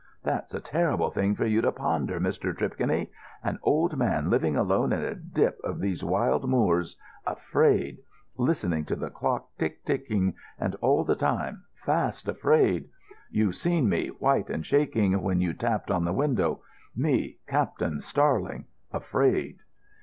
That's a terrible thing for you to ponder, Mr. Tripconey—an old man living alone in a dip of these wild moors—afraid. Listening to the clock tick ticking, and all the time fast afraid. You've seen me, white and shaking, when you tapped on the window: me—Captain Starling—afraid."